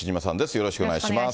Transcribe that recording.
よろしくお願いします。